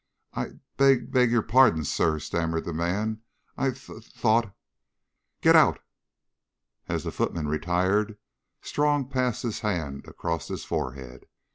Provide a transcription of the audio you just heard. "I b beg your pardon, Sir," stammered the man. "I th thought " "Get out!" As the footman retired, Strong passed his hand across his forehead.